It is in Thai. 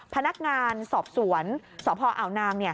พนักงานสอบสวนสพอาวนาง